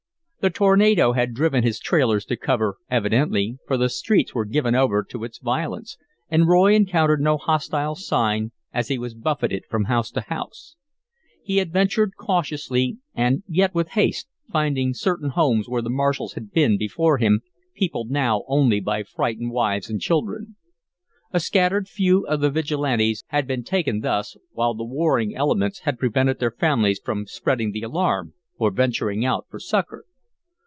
The tornado had driven his trailers to cover, evidently, for the streets were given over to its violence, and Roy encountered no hostile sign as he was buffeted from house to house. He adventured cautiously and yet with haste, finding certain homes where the marshals had been before him peopled now only by frightened wives and children. A scattered few of the Vigilantes had been taken thus, while the warring elements had prevented their families from spreading the alarm or venturing out for succor.